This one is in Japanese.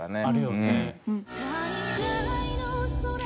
あるよね。